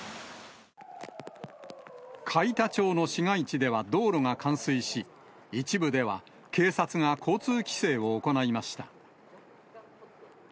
海田町の市街地では道路が冠水し、一部では警察が交通規制を行いました。